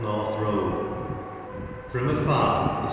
AT North Road. From afar its YORK.